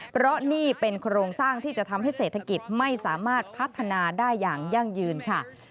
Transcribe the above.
เพราะนี่เป็นโครงสร้างที่จะทำให้เศรษฐกิจไม่สามารถพัฒนาได้อย่างยั่งยืนค่ะ